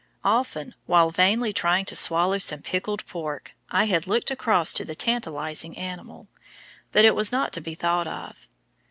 Often while vainly trying to swallow some pickled pork I had looked across to the tantalizing animal, but it was not to be thought of.